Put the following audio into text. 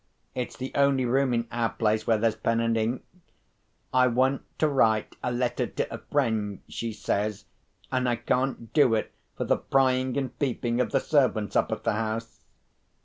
It's the only room in our place where there's pen and ink. 'I want to write a letter to a friend,' she says 'and I can't do it for the prying and peeping of the servants up at the house.